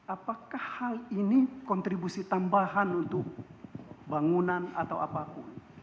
apakah hal ini kontribusi tambahan untuk bangunan atau apapun